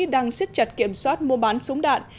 đang xích chặt kiểm soát mua bán súng đạn